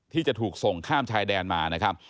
ที่จะถูกส่งข้ามชายแดนมา